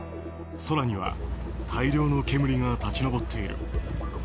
空には大量の煙が立ち上っている。